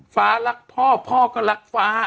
ฟ้ารักพ่อพ่อก็รักฟ้า